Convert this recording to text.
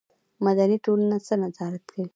مدني ټولنه څه نظارت کوي؟